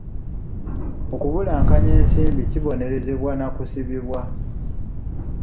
Okubulankanya ensimbi kibonerezebwa na kusibibwa.